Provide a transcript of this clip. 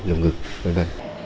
lồng ngực v v